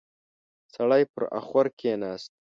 سړی پر اخور کېناست.